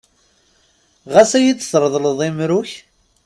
Ɣas ad yi-d-tṛeḍleḍ imru-k?